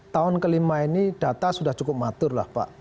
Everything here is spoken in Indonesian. tahun kelima ini data sudah cukup matur lah pak